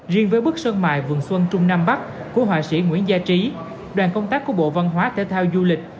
riêng với bức sơn mài vườn xuân trung nam bắc của họa sĩ nguyễn gia trí đoàn công tác của bộ văn hóa thể thao du lịch